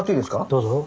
どうぞ。